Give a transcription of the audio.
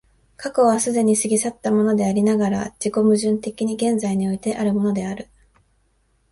過去は既に過ぎ去ったものでありながら、自己矛盾的に現在においてあるものである。